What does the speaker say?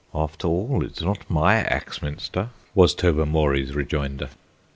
"After all, it's not my Axminster," was Tobermory's rejoinder.